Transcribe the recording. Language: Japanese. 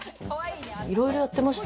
いろいろやってました。